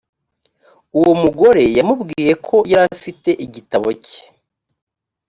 uwo mugore yamubwiye ko yari afite igitabo cye